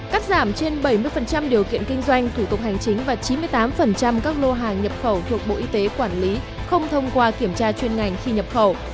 cắt giảm trên bảy mươi điều kiện kinh doanh thủ tục hành chính và chín mươi tám các lô hàng nhập khẩu thuộc bộ y tế quản lý không thông qua kiểm tra chuyên ngành khi nhập khẩu